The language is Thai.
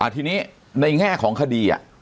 ทีนี้ในแง่ของคดี